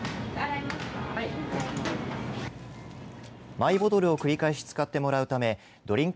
マイボトルを繰り返し使ってもらうためドリンク